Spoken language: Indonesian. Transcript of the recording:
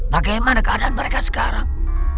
bagaimana keadaan mereka sekarang